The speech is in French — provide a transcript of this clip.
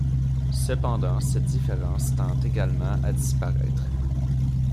Cependant, cette différence tend également à disparaître.